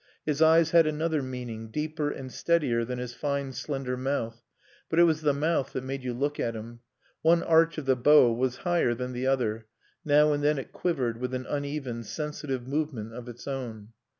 His eyes had another meaning, deeper and steadier than his fine slender mouth; but it was the mouth that made you look at him. One arch of the bow was higher than the other; now and then it quivered with an uneven, sensitive movement of its own.